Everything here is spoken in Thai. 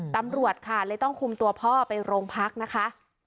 ตำรวจค่ะเลยต้องคุมตัวพ่อไปโรงพักนะคะ